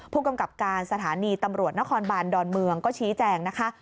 ผู้กำกับการสถานีตำรวจนครบานดอนเมืองก็ชี้แจงนะคะ